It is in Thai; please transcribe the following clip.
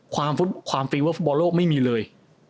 ความฟิลเวอร์ฟุตบอลโลกไม่มีเลย